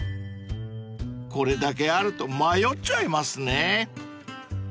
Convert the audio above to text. ［これだけあると迷っちゃいますね］